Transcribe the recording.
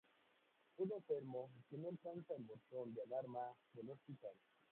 Un enfermo que no alcanza el botón de alarma del hospital.